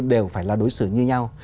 đều phải là đối xử như nhau